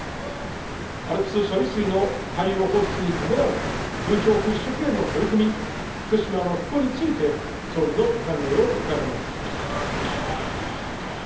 ＡＬＰＳ処理水の海洋放出に伴う、風評払拭への取り組み、福島の復興について、総理の考えを伺います。